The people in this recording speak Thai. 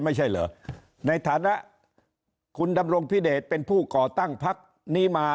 ไม่ใช่เหรอในฐานะคุณดำรงพิเดชเป็นผู้ก่อตั้งพักนี้มา